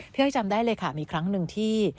อ้อยจำได้เลยค่ะมีครั้งหนึ่งที่